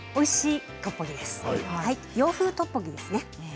洋風トッポギですね。